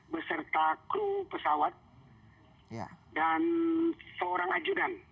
beserta kru pesawat dan seorang ajudan